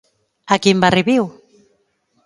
A quin barri viu?